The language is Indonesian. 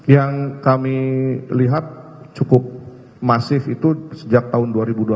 yang kami lihat cukup masif itu sejak tahun dua ribu dua puluh satu dua ribu dua puluh dua